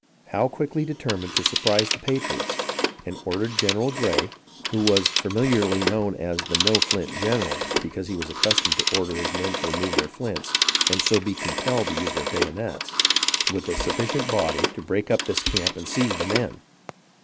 Howe quickly determined to surprise the patriots, and ordered General Gray (who was familiarly known as the "no flint general," because he was accustomed to order his men to remove their flints, and so be compelled to use their bayonets), with a sufficient body, to break up this camp and seize the men.